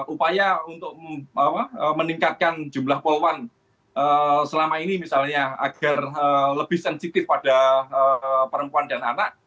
upaya untuk meningkatkan jumlah pohon selama ini misalnya agar lebih sensitif pada perempuan dan anak